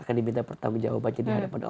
pemirsa jangan kemana mana